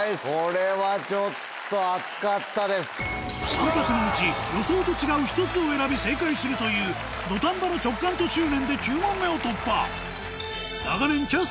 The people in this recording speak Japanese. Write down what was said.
３択のうち予想と違う１つを選び正解するという土壇場の直感と執念で９問目を突破！